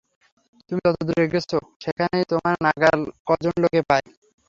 তুমি যত দূরে গেছ, সেইখানেই তোমার নাগাল কজন লোকে পায়।